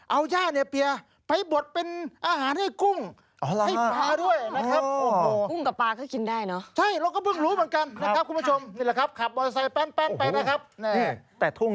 เอาย่าเนปเปียร์ไปบดเป็นอาหารให้กุ้ง